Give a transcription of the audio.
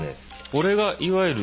これがいわゆる。